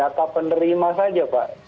data penerima saja pak